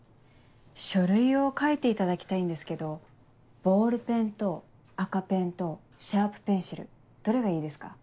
書類を書いていただきたいんですけどボールペンと赤ペンとシャープペンシルどれがいいですか？